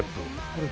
これ。